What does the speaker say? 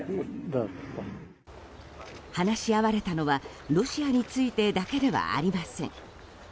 話し合われたのはロシアについてだけではありません。